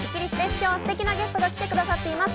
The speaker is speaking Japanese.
今日はステキなゲストが来てくださっています。